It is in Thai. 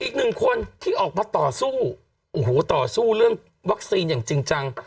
อีกหนึ่งคนที่ออกมาต่อสู้โอ้โหต่อสู้เรื่องวัคซีนอย่างจริงจัง